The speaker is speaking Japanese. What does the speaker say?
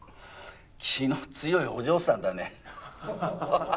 気の強いお嬢さんだねハハハ。